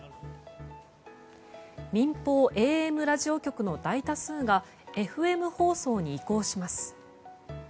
民放ＡＭラジオ局の大多数がＦＭ放送に移行します。